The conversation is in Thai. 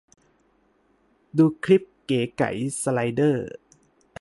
ดูคลิปเก๋ไก๋ สไลเดอร์